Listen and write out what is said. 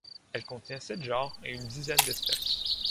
Elle contient sept genres et une dizaine d'espèces.